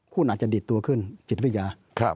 คุณอาจจะดีดตัวขึ้นจิตวิทยา